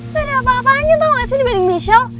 banyak apa apanya tau gak sih dibanding michelle